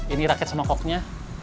ini raket sama koknya